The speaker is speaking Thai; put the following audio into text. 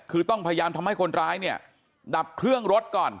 คือต้องพยายามทำให้คนร้ายเนี่ยดับเครื่องรถก่อน